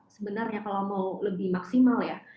sebenarnya kalau mau lebih maksimal ya